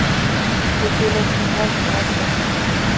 د تیلو استخراج ګران تمامېږي.